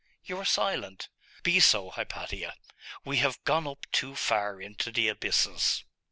You are silent. Be so, Hypatia.... We have gone up too far into the abysses....